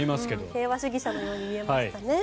平和主義者のように見えましたね。